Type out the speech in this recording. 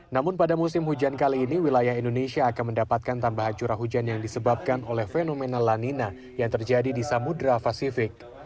namun pada musim hujan kali ini wilayah indonesia akan mendapatkan tambahan curah hujan yang disebabkan oleh fenomena lanina yang terjadi di samudera pasifik